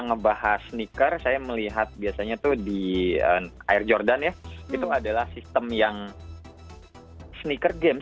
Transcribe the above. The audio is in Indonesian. ngebahas sneaker saya melihat biasanya tuh di air jordan ya itu adalah sistem yang sneaker games